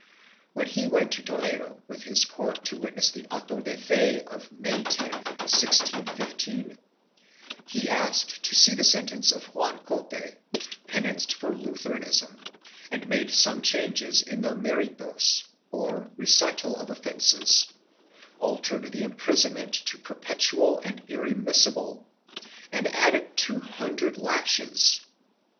When he went to Toledo with his court to witness the auto de fe of May 10, 1615, he asked to see the sentence of Juan Cote, penanced for Luther anism, and made some changes in the meritos, or recital of offences, altered the imprisonment to per petual and irremissible and added two hundred lashes.